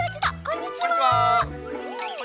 こんにちは！